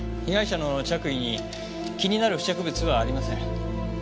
被害者の着衣に気になる付着物はありません。